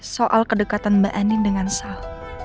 soal kedekatan mbak eni dengan sal